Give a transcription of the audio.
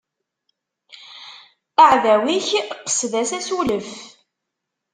Aɛdaw-ik, qsed-as asulef.